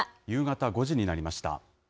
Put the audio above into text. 夕方５時になりました。